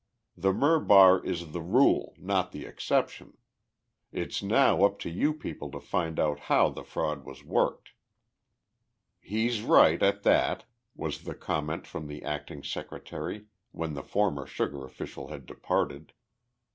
The Murbar is the rule, not the exception. It's now up to you people to find out how the fraud was worked." "He's right, at that," was the comment from the acting Secretary, when the former sugar official had departed.